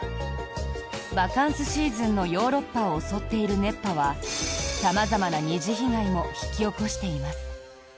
バカンスシーズンのヨーロッパを襲っている熱波は様々な二次被害も引き起こしています。